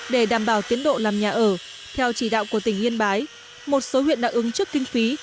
để đảm bảo tiến độ làm nhà ở theo chỉ đạo của tỉnh yên bái một số huyện đã ứng trước kinh phí